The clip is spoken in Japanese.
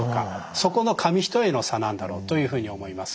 そこの紙一重の差なんだろうというふうに思います。